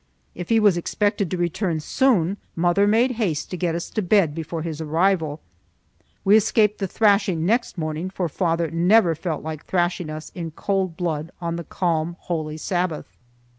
If he was expected to return soon, mother made haste to get us to bed before his arrival. We escaped the thrashing next morning, for father never felt like thrashing us in cold blood on the calm holy Sabbath.